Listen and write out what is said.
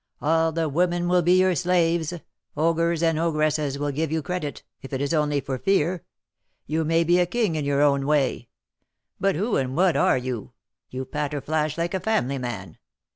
All the women will be your slaves; ogres and ogresses will give you credit, if it is only for fear; you may be a king in your way! But who and what are you? You 'patter flash' like a family man!